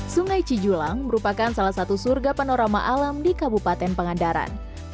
sungai cijulang merupakan salah satu surga panorama alam di kabupaten pangandaran